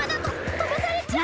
とばされちゃう。